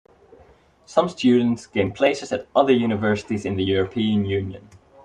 Some students gain places at other universities in the European Union.